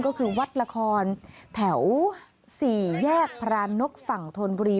ก็คือวัดละครแถว๔แยกพรานกฝั่งธนบุรี